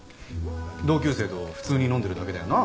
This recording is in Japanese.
同級生と普通に飲んでるだけだよな？